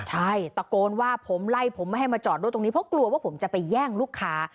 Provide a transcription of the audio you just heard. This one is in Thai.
ใช่ตะโกนว่าผมไล่ผมไม่ให้มาจอดด้วยตรงนี้เพราะกลัวว่าผมจะไปแย่งลูกค้า